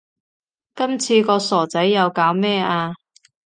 今次個傻仔又搞咩呀